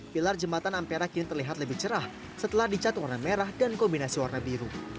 pilar jembatan ampera kini terlihat lebih cerah setelah dicat warna merah dan kombinasi warna biru